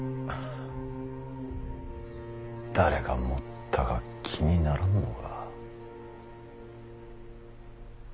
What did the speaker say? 誰が盛ったか気にならんのか。